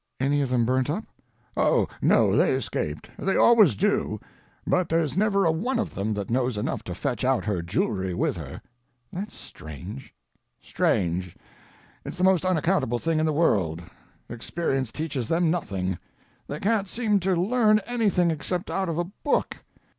"Any of them burnt up?" "Oh, no they escaped; they always do; but there's never a one of them that knows enough to fetch out her jewelry with her." "That's strange." "Strange—it's the most unaccountable thing in the world. Experience teaches them nothing; they can't seem to learn anything except out of a book.